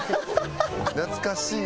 「懐かしい」。